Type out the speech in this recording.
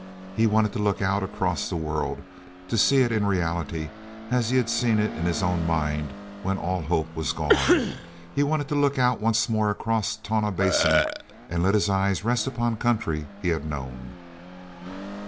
He wanted to look out across the world, to see it in reality as he had seen it in his own mind when all hope was gone. He wanted to look out once more across Tonah Basin and let his eyes rest upon country he had known.